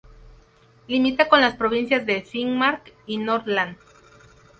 Limita con las provincias de Finnmark y Nordland.